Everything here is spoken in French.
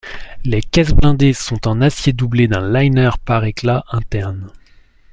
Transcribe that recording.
Les caisses blindées sont en acier doublé d’un liner pare-éclat interne.